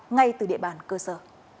ngay từ địa bàn cơ sở